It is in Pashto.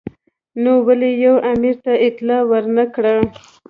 نو ولې یې امیر ته اطلاع ور نه کړه.